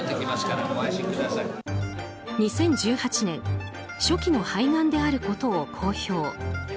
２０１８年初期の肺がんであることを公表。